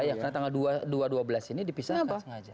iya karena tanggal dua dua belas ini dipisahkan sengaja